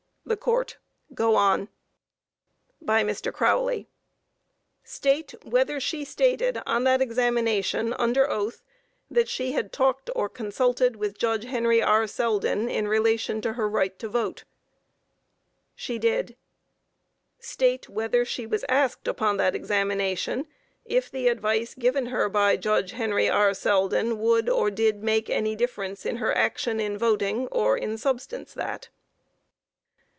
THE COURT: Go on. By MR. CROWLEY: Q. State whether she stated on that examination, under oath, that she had talked or consulted with Judge Henry R. Selden in relation to her right to vote? A. She did. Q. State whether she was asked, upon that examination, if the advice given her by Judge Henry R. Selden would or did make any difference in her action in voting, or in substance that?